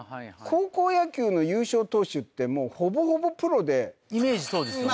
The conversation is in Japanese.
高校野球の優勝投手ってもうほぼほぼプロでイメージそうですよね